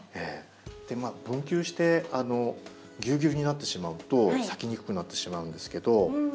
分球してぎゅうぎゅうになってしまうと咲きにくくなってしまうんですけど。